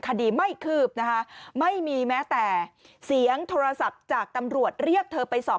คดีไม่คืบนะคะไม่มีแม้แต่เสียงโทรศัพท์จากตำรวจเรียกเธอไปสอบ